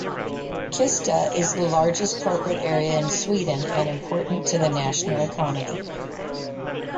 Kista is the largest corporate area in Sweden and important to the national economy.